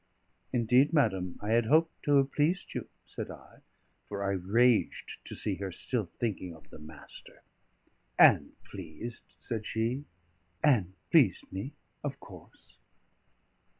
"Indeed, madam, I had hoped to have pleased you," said I, for I raged to see her still thinking of the Master. "And pleased," said she, "and pleased me of course."